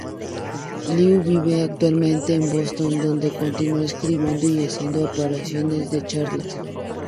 Liu vive actualmente en Boston, donde continúa escribiendo y haciendo apariciones en charlas.